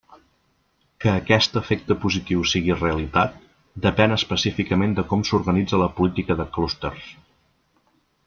Que aquest efecte positiu siga realitat, depén específicament de com s'organitza la política de clústers.